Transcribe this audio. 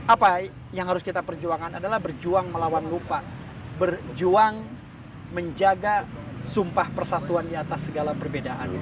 apa yang harus kita perjuangkan adalah berjuang melawan lupa berjuang menjaga sumpah persatuan di atas segala perbedaan